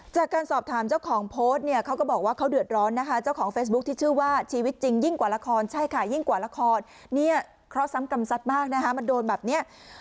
จากการสอบถามเจ้าของโพสต์เนี่ยเขาก็บอกว่าเขาเดือดร้อนนะคะเจ้าของเฟซบุ๊คที่ชื่อว่าชีวิตจริงยิ่งกว่าละครใช่ค่ะยิ่งกว่าละครเนี่ยเคราะห์กรรมซัดมากนะคะมันโดนแบบเนี้ย